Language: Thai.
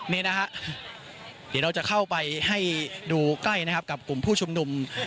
เดี๋ยวเราจะเข้าไปให้ดูใกล้กับกลุ่มผู้ชมนุม